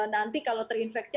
nanti kalau terinfeksi